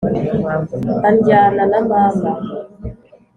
andyana na mama,